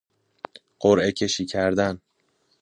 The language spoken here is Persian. قرعه کشی کردن